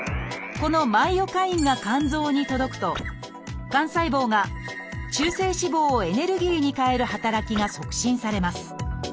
このマイオカインが肝臓に届くと肝細胞が中性脂肪をエネルギーに変える働きが促進されます。